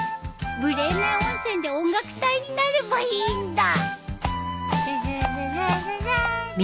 ブレーメン温泉で音楽隊になればいいんだ！